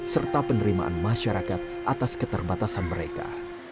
serta penerimaan masyarakat atas keterbatasan mereka